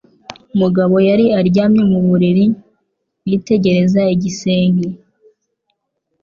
Mugabo yari aryamye mu buriri, yitegereza igisenge.